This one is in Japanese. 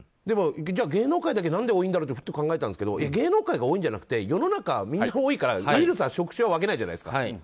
じゃあ芸能界だけ何で多いんだろうってふと考えたんですけど芸能界が多いんじゃなくて世の中、みんな多いからウイルスは職種は分けないじゃないですか。